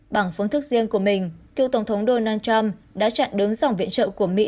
bằng phương thức riêng của mình cựu tổng thống donald trump đã chặn đứng dòng viện trợ của mỹ